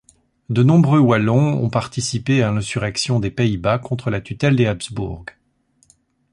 De nombreux wallons ont participé à l'insurrection des Pays-Bas contre la tutelle des Habsbourg.